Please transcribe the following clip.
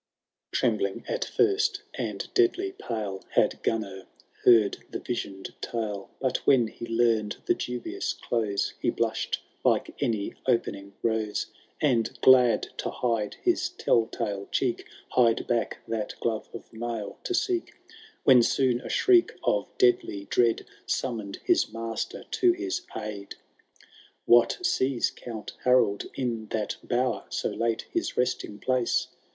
XII. Trembling at first, and deadly pale. Had Gunnar heard the vision^d tale ; But when he learned the dubious close, He blushed like any opening rose. And, glad to hide his tell tale cheek. Hied back that glove of mail to seek ; When soon a shriek of deadly dread Summoned his master to his idd. XIII. What sees Count Harold in that bower. So late his resting place